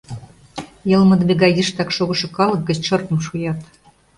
Йылмыдыме гай йыштак шогышо калык гыч шырпым шуят.